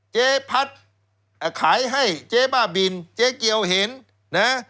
เจ๊พัดขายให้เจ๊บ้าบินเจ๊เกียวเห็นนะ